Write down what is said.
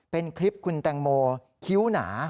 เป็นคลิปคุณแตงโมคิ้วหนา